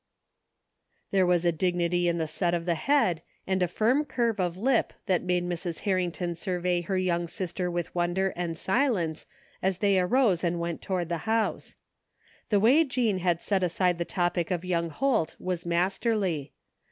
There was a dignity in the set of the head and the firm curve of lip that made Mrs. Harrington siurvey her young sister with wonder and silence as they arose and 160 THE FINDING OF JASPER HOLT went toward the house. The way Jean had set aside the topic of young Holt was masterly.